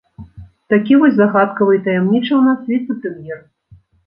Такі вось загадкавы і таямнічы ў нас віцэ-прэм'ер.